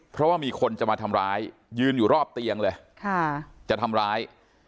เพราะว่ามีคนจะมาทำร้ายยืนอยู่รอบเตียงเลยจะทำร้าย